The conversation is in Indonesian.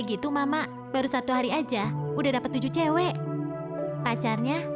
sampai jumpa di video selanjutnya